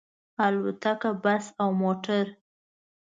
الوتکه، بس او موټر